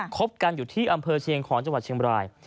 บกันอยู่ที่อำเภอเชียงของจังหวัดเชียงบราย